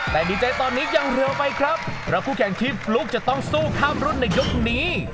แต่ดีใจตอนนี้ยังเร็วไปครับเพราะคู่แข่งที่พลุจะต้องสู้ข้ามรุ่นในยกนี้